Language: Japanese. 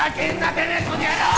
てめえこの野郎！